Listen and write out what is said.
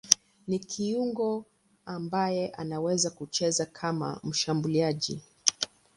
Ni kiungo ambaye anaweza kucheza kama mshambuliaji.